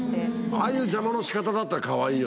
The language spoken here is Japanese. ああいう邪魔の仕方だったらかわいいよね。